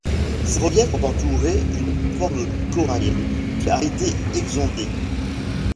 Ces reliefs sont entourés une plateforme corallienne qui a été éxondée.